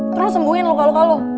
terus sembuhin lo kalau kalau